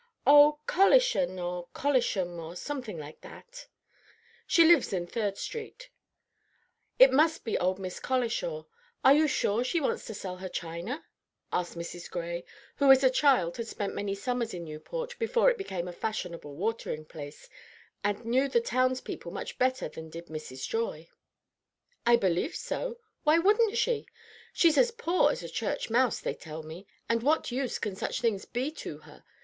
"Oh, Collishan or Collisham, some name like that. She lives in Third Street." "It must be old Miss Colishaw. Are you sure she wants to sell her china?" asked Mrs. Gray, who as a child had spent many summers in Newport before it became a fashionable watering place, and knew the townspeople much better than did Mrs. Joy. "I believe so; why shouldn't she? She's as poor as a church mouse, they tell me; and what use can such things be to her?